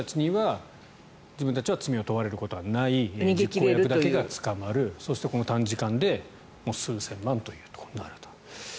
自分たちは罪に問われることがない実行役だけが捕まるそしてこの短時間で数千万というところになると。